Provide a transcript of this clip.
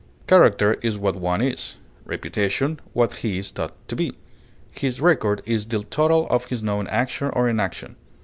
Character is what one is; reputation, what he is thought to be; his record is the total of his known action or inaction.